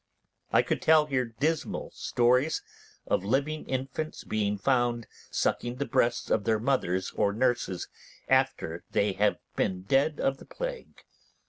I could tell here dismal stories of living infants being found sucking the breasts of their mothers, or nurses, after they have been dead of the plague.